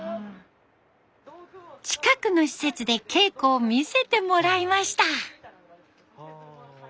近くの施設で稽古を見せてもらいました。